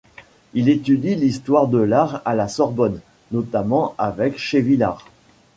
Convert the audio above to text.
Il étudie l'histoire de l'art à la Sorbonne, notamment avec Chevillard.